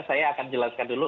saya akan jelaskan dulu